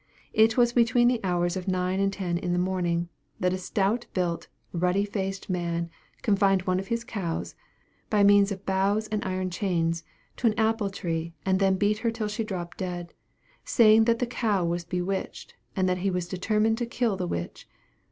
It was between the hours of nine and ten in the morning, that a stout built, ruddy faced man confined one of his cows, by means of bows and iron chains, to an apple tree and then beat her till she dropped dead saying that the cow was bewitched, and that he was determined to kill the witch.